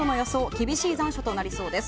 厳しい残暑となりそうです。